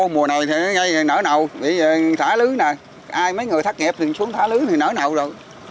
mùa này thì ngay nở nậu bị thả lưới này ai mấy người thắt nghiệp thì xuống thả lưới thì nở nậu rồi